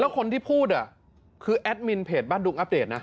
คนที่พูดคือแอดมินเพจบ้านดุงอัปเดตนะ